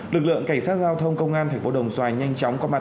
lực lượng cảnh sát giao thông công an tp đồng xoài nhanh chóng có mặt